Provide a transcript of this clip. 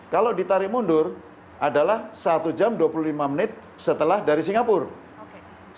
kalau ditarik mundur adalah satu jam dua puluh lima menit setelah dari singapura